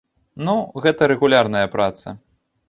Ну, гэта рэгулярная праца.